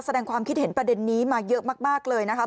แสดงความคิดเห็นประเด็นนี้มาเยอะมากเลยนะคะ